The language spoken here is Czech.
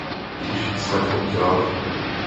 Již jsme to dělali.